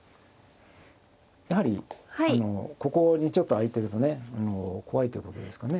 やはりここにちょっと空いてるとね怖いということですかね。